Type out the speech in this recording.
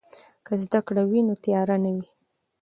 که زده کړه وي نو تیاره نه وي.